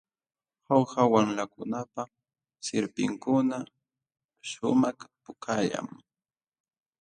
Jauja wamlakunapa sirpinkuna shumaq pukallam.